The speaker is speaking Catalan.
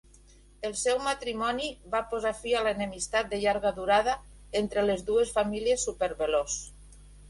El seu matrimoni va posar fi a l'enemistat de llarga durada entre les dues famílies súper-veloç.